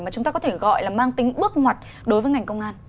mà chúng ta có thể gọi là mang tính bước ngoặt đối với ngành công an